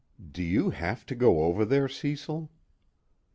_Do you have to go over there, Cecil?